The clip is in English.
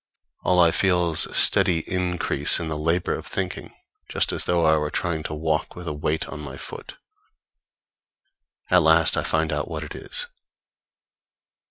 All I feel is a steady increase in the labor of thinking just as though I were trying to walk with a weight on my foot. At last I find out what it is.